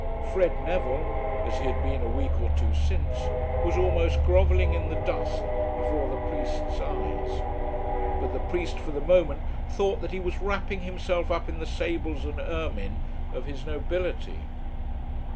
Fred Neville, as he had been a week or two since, was almost grovelling in the dust before the priest's eyes; but the priest for the moment thought that he was wrapping himself up in the sables and ermine of his nobility.